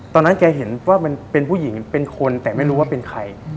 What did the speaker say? ตอนนั้นแกเห็นว่ามันเป็นผู้หญิงเป็นคนแต่ไม่รู้ว่าเป็นใคร